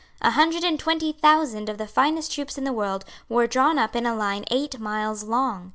A hundred and twenty thousand of the finest troops in the world were drawn up in a line eight miles long.